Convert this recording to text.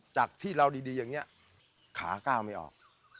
จากที่เราดีอย่างนี้ขาก้าวไม่ออก